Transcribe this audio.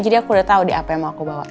jadi aku udah tahu deh apa yang mau aku bawa